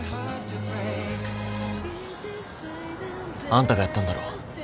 あんたがやったんだろ？